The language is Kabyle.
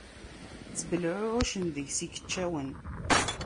Ttbelɛuεucen deg-s ikeččawen.